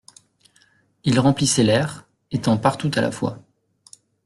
Il remplissait l'air, étant partout à la fois.